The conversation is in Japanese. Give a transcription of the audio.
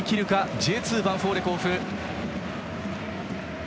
Ｊ２ヴァンフォーレ甲府。